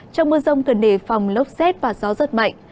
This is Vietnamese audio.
trong mưa rông cần đề phòng lốc xét và gió rất mạnh